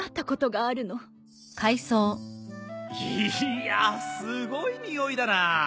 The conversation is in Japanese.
いやすごいにおいだな